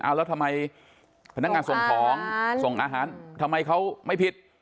เอาแล้วทำไมพนักงานส่งของส่งอาหารทำไมเขาไม่ผิด